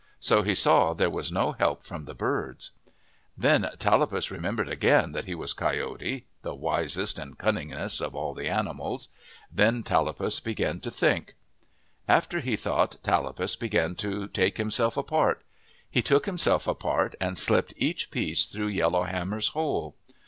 So he saw there was no help from the birds. Then Tallapus remembered again that he was Coyote, the wisest and cunningest of all the animals. Then Tallapus began to think. 128 OF THE PACIFIC NORTHWEST After he thought, Tallapus began to take himself apart. He took himself apart and slipped each piece through Yellow Hammer's hole.